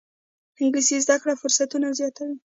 انګلیسي زده کړه فرصتونه زیاتوي